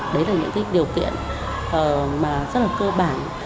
đấy là những điều kiện mà rất là cơ bản